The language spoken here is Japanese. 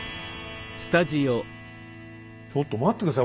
ちょっと待って下さい！